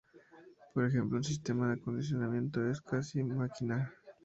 Por ejemplo, un sistema de accionamiento es una cuasi-máquina.